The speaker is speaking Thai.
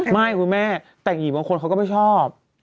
คุณแม่แต่งหญิงบางคนเขาก็ไม่ชอบ